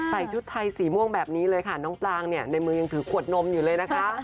ชุดไทยสีม่วงแบบนี้เลยค่ะน้องปลางเนี่ยในมือยังถือขวดนมอยู่เลยนะคะ